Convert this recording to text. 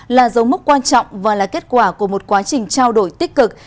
là dấu mốc quan trọng và là kết quả của một quá trình trao đổi tích cực